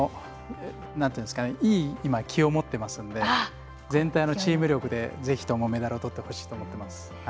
いい気を今もっていますので全体のチーム力でぜひともメダルをとってほしいと思ってます。